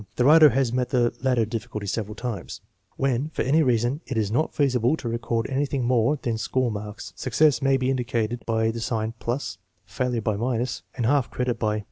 The writer has met the latter difficulty several times. When for any reason it is not feasible to record anything more than score marks, success may be indicated by the sign +, failure by , and half credit by J^.